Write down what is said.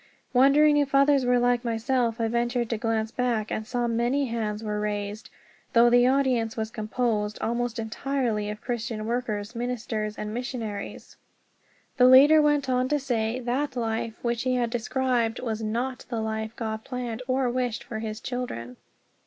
Wondering if others were like myself, I ventured to glance back and saw many hands were raised, though the audience was composed almost entirely of Christian workers, ministers, and missionaries. The leader then went on to say that life which he had described was not the life God planned or wished for His children.